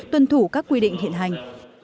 tuân thủ các quy định hiện hành